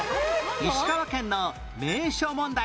石川県の名所問題